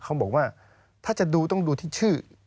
เขาบอกว่าถ้าจะดูต้องดูที่ชื่อ